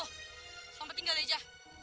selamat tinggal deja